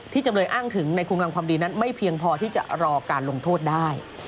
จำเลยอ้างถึงในคุมกำลังความดีนั้นไม่เพียงพอที่จะรอการลงโทษได้